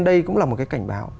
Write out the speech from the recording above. đây cũng là một cái cảnh báo